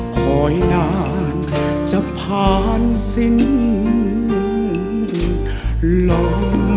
ขอให้นานจะผ่านสิ้นล้ม